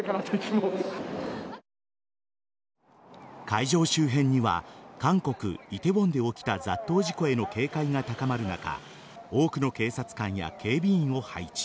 会場周辺には韓国・梨泰院で起きた雑踏事故への警戒が高まる中多くの警察官や警備員を配置。